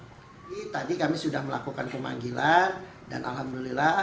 jadi tadi kami sudah melakukan pemanggilan dan alhamdulillah